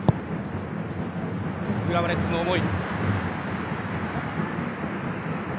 浦和レッズの思いです。